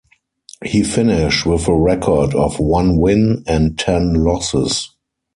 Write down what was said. He finished with a record of one win and ten losses.